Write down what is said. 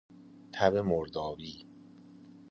تب مردابی